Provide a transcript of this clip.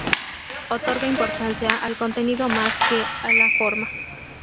Otorga importancia al contenido más que a la forma.